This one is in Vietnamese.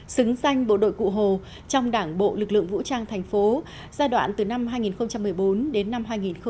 xứng danh bộ đội cụ hồ trong đảng bộ lực lượng vũ trang tp hcm giai đoạn từ năm hai nghìn một mươi bốn đến năm hai nghìn một mươi bảy